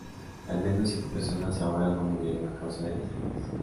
Al menos siete personas se ahogaron o murieron a causa de las heridas.